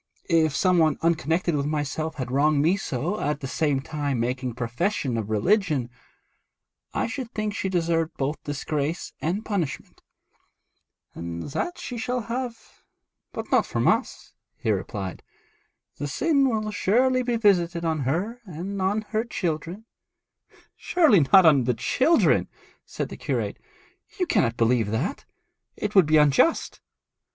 If some one unconnected with myself had wronged me so, at the same time making profession of religion, I should think she deserved both disgrace and punishment.' 'And that she shall have, but not from us,' he replied. 'The sin will surely be visited on her and on her children.' 'Surely not on the children,' said the curate. 'You cannot believe that. It would be unjust.'